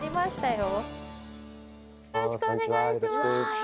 よろしくお願いします。